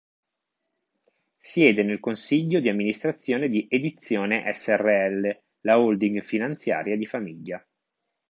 Siede nel consiglio di amministrazione di Edizione srl, la holding finanziaria di famiglia.